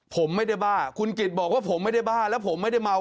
ผมไม่ได้บ้าคุณกิจบอกว่าผมไม่ได้บ้าแล้วผมไม่ได้เมา